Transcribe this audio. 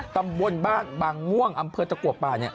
ตำบลบ้านบางม่วงอำเภอตะกว่าปลา